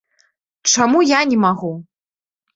Чаму я не магу?